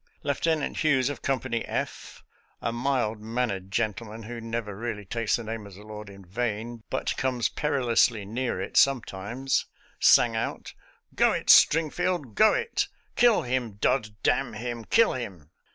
Lieutenant Hughes, of Company F, — a mild man nered gentleman who never really takes the name of the Lord in vain, but comes perilously near it sometimes — sang out, " Go it, Stringfleld, go it ! Kill him, dod dam him, kill him